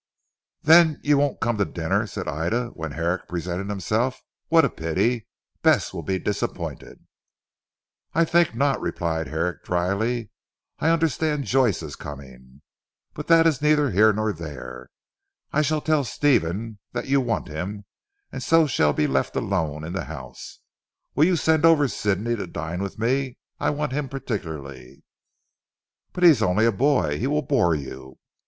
"Then you won't come to dinner?" said Ida when Herrick presented himself. "What a pity! Bess will be disappointed." "I think not," replied Herrick dryly. "I understand Joyce is coming. But that is neither here nor there, I shall tell Stephen that you want him and so shall be left alone in the house. Will you send over Sidney to dine with me. I want him particularly." "But he is only a boy. He will bore you."